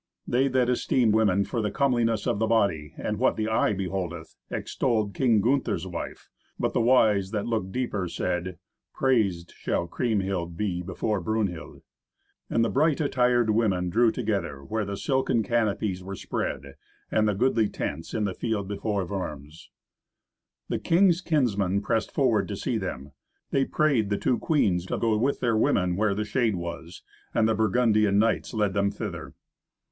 They that esteem women for the comeliness of the body and what the eye beholdeth, extolled King Gunther's wife, but the wise that look deeper said, "Praised shall Kriemhild be before Brunhild." And the bright attired women drew together where the silken canopies were spread, and the goodly tents, in the field before Worms. The king's kinsmen pressed forward to see them. They prayed the two queens to go with their women where the shade was, and the Burgundian knights led them thither.